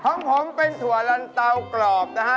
ของผมเป็นถั่วลันเตากรอบนะฮะ